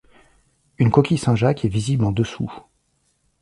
Une coquille Saint-Jacques est visible en dessous.